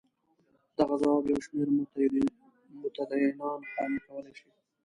دغه ځواب یو شمېر متدینان قانع کولای شي.